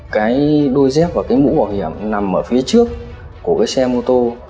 cái đôi dép và mũ bảo hiểm nằm ở phía trước của xe mô tô